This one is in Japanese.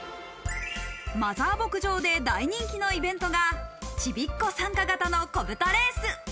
マザー牧場で大人気のイベントがちびっこ参加型のこぶたレース。